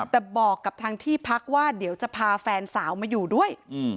แต่บอกกับทางที่พักว่าเดี๋ยวจะพาแฟนสาวมาอยู่ด้วย